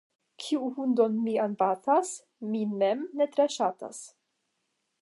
Kiu hundon mian batas, min mem ne tre ŝatas.